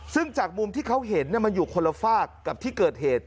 ซึ่งจากมุมที่เขาเห็นมันอยู่คนละฝากกับที่เกิดเหตุ